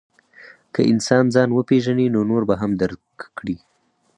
که انسان ځان وپېژني، نو نور به هم درک کړي.